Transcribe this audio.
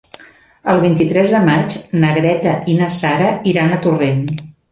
El vint-i-tres de maig na Greta i na Sara iran a Torrent.